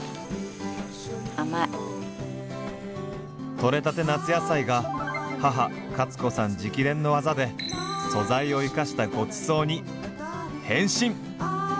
取れたて夏野菜が母カツ子さん直伝のワザで素材を生かしたごちそうに変身！